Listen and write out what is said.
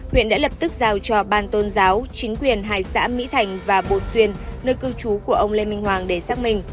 huyện đã lập tức giao cho ban tôn giáo chính quyền hai xã mỹ thành và bột xuyên nơi cư trú của ông lê minh hoàng để xác minh